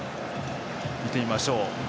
見てみましょう。